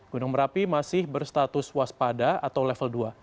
gunung merapi masih berstatus waspada atau level dua